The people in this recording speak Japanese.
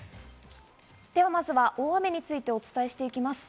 ではまずは大雨についてお伝えしていきます。